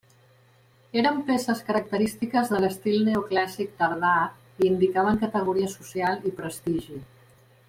Eren peces característiques de l'estil neoclàssic tardà i indicaven categoria social i prestigi.